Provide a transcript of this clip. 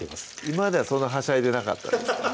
今まではそんなはしゃいでなかったんですか？